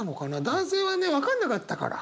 男性はね分かんなかったから。